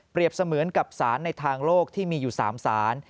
เปรียบเสมือนกับศาลในทางโลกที่มีอยู่๓ศาล